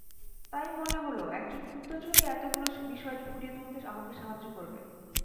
তাই মনে হলো, একজন গুপ্তচরই এতগুলো বিষয় ফুটিয়ে তুলতে আমাকে সাহায্য করবে।